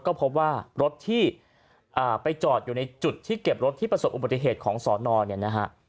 ก็พบว่ารถที่ไปจอดอยู่ในจุดที่เก็บรถที่ประสบอุบัติเหตุของสอนอเนี่ยนะฮะ